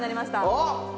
おっ！